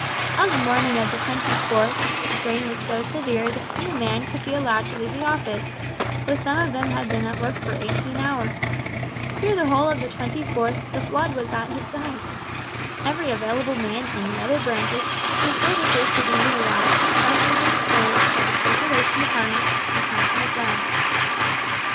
On the morning of the 24th the strain was so severe that few men could be allowed to leave the Office, though some of them had been at work for eighteen hours. During the whole of the 24th the flood was at its height. Every available man in the other branches whose services could be utilised was pressed into the service of the Circulation Department at St. Martin's le Grand.